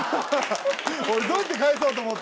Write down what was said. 俺どうやって返そうと思って。